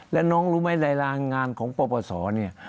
และน้องรู้ไหมในรางงานของประประสอบนี้